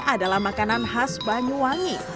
adalah makanan khas banyuwangi